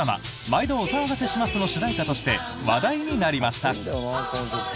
「毎度おさわがせします」の主題歌として話題になりました。